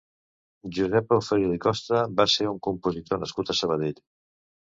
Josep Auferil i Costa va ser un compositor nascut a Sabadell.